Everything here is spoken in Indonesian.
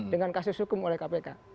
dengan kasus hukum oleh kpk